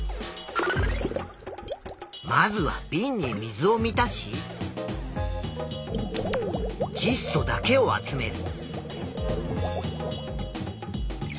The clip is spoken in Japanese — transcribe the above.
まずはびんに水を満たしちっ素だけを集める。